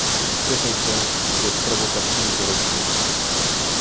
Cieszę się, że sprawozdawczyni to rozumie